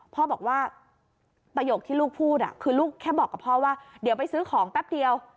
พ่อบอกว่าประโยคที่ลูกพูดคือลูกแค่บอกกับพ่อว่าเดี๋ยวไปซื้อของแป๊บเดียว